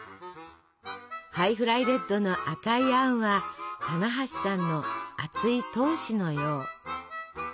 ハイフライレッドの赤いあんは棚橋さんの熱い闘志のよう。